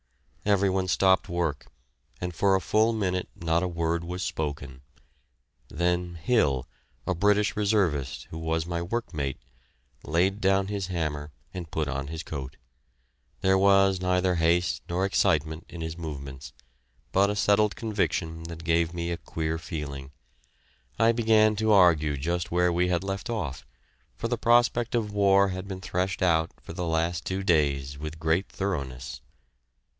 Every one stopped work, and for a full minute not a word was spoken. Then Hill, a British reservist who was my work mate, laid down his hammer and put on his coat. There was neither haste nor excitement in his movements, but a settled conviction that gave me a queer feeling. I began to argue just where we had left off, for the prospect of war had been threshed out for the last two days with great thoroughness.